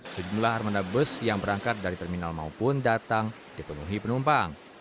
sejumlah armada bus yang berangkat dari terminal maupun datang dipenuhi penumpang